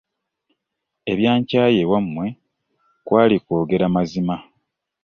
Ebyankyaya ewammwe kwali kwogera mazima.